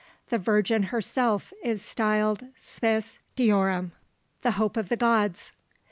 The Virgin herself is styled spes deorum! "The hope of the gods!"